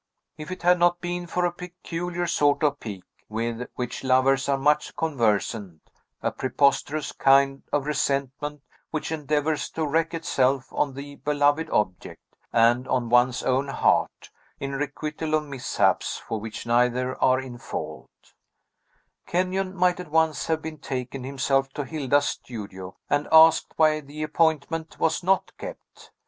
If it had not been for a peculiar sort of pique, with which lovers are much conversant, a preposterous kind of resentment which endeavors to wreak itself on the beloved object, and on one's own heart, in requital of mishaps for which neither are in fault, Kenyon might at once have betaken himself to Hilda's studio, and asked why the appointment was not kept.